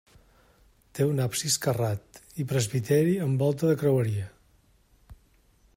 Té un absis carrat i presbiteri amb volta de creueria.